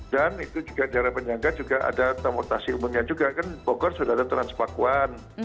dan itu juga daerah penyangga juga ada transportasi umumnya juga kan bogor sudah ada transpakuan